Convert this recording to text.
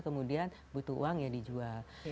kemudian butuh uang yang dijual